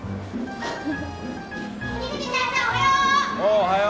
おはよう！